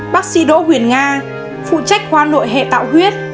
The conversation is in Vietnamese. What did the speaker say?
bác sĩ đỗ huyền nga phụ trách khoa nội hệ tạo huyết